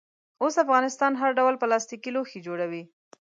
اوس افغانستان هر ډول پلاستیکي لوښي جوړوي.